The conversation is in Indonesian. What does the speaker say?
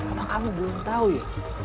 apa kamu belum tahu ya